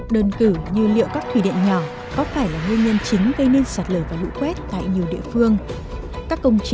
đơn cử như liệu các thủy điện nhỏ có phải là nguyên nhân chính gây nên sạt lở và lũ quét tại nhiều địa phương